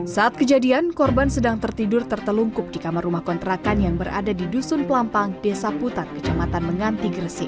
saat kejadian korban sedang tertidur tertelungkup di kamar rumah kontrakan yang berada di dusun pelampang desa putat kecamatan menganti gresik